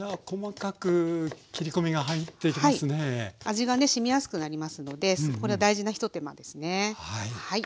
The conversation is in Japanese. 味がねしみやすくなりますのでこれは大事な一手間ですね。